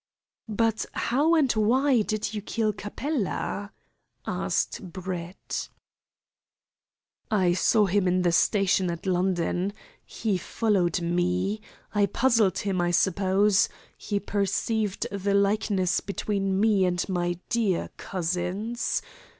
"But how and why did you kill Capella?" asked Brett. "I saw him in the station at London. He followed me. I puzzled him, I suppose. He perceived the likeness between me and my dear cousins.